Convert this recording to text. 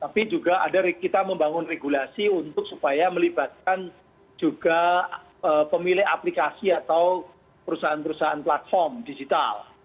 tapi juga ada kita membangun regulasi untuk supaya melibatkan juga pemilik aplikasi atau perusahaan perusahaan platform digital